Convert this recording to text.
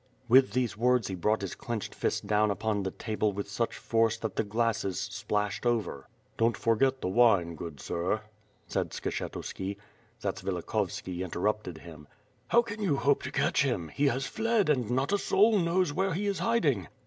With these words he brought his clenched fist down upon the table with such force that the glasses splashed over. "Don't forget the wine, good sir," said Skshetuski. Zatsvilikhovski interrupted him. "How can you hope to catch him? He has fled, and not a soul knows where he is hiding!"